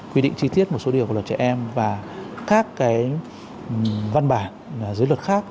quy định chi tiết một số điều của luật trẻ em và các văn bản dưới luật khác